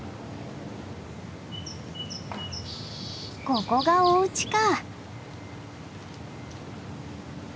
ここがおうちか。